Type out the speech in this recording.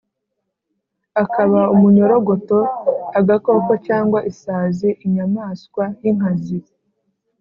akaba umunyorogoto, agakoko cyangwa isazi, inyamaswa y’inkazi